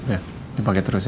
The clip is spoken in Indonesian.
ya ini pake terus ya